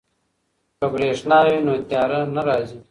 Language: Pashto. که بریښنا وي نو تیاره نه راځي.